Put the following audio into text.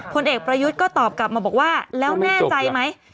ผลเอกประยุทธ์ก็ตอบกลับมาบอกว่าแล้วแน่ใจไหม